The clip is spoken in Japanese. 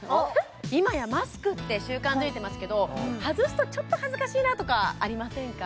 今やマスクって習慣づいてますけど外すとちょっと恥ずかしいなとかありませんか？